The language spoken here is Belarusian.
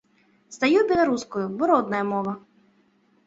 Здаю беларускую, бо родная мова.